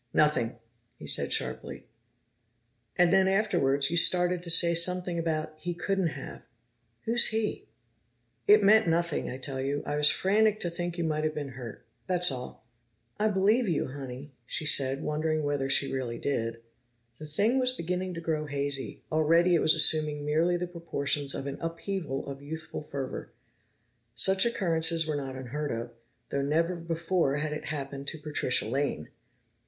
"Nothing," he said sharply. "And then, afterwards, you started to say something about 'He couldn't have '. Who's 'he'?" "It meant nothing, I tell you. I was frantic to think you might have been hurt. That's all." "I believe you, Honey," she said, wondering whether she really did. The thing was beginning to grow hazy; already it was assuming merely the proportions of an upheaval of youthful fervor. Such occurrences were not unheard of, though never before had it happened to Patricia Lane!